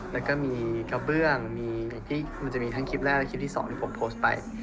แล้วก็มีกระเบื้องมีที่มันจะมีทั้งคลิปแรกและคลิปที่สองที่ผมโพสต์ไป